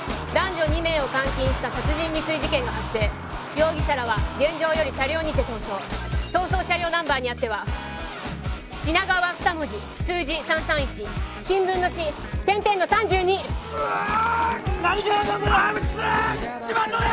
男女二名を監禁した殺人未遂事件が発生容疑者らは現場より車両にて逃走逃走車両ナンバーにあっては品川二文字数字３３１新聞の「し」点々の３２うわっハムちゃん！